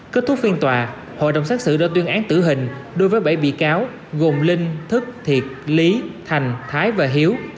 kết thúc phiên tòa hội đồng xét xử đã tuyên án tử hình đối với bảy bị cáo gồm linh thức thiệt lý thành thái và hiếu